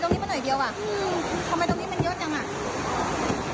อืมทำไมตรงนี้มันเยอะจัง